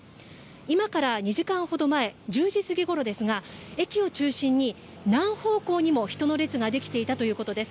今から２時間ほど前、１０時過ぎごろですが駅を中心に何方向にも人の列ができていたということです。